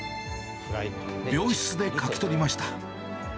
病室で書き取りました。